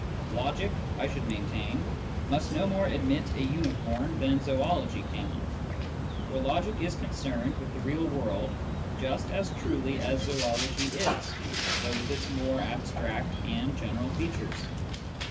Logic, I should maintain, must no more admit a unicorn than zoology can ; for logic is concerned with the real world just as truly as zoology, though with its more abstract and general features.